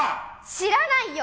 知らないよ！